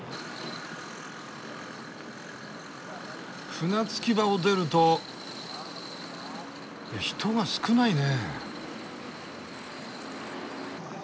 船着き場を出るといや人が少ないね。